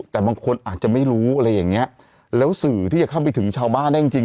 แต่บางคนอาจจะไม่รู้อะไรอย่างเงี้ยแล้วสื่อที่จะเข้าไปถึงชาวบ้านได้จริงจริง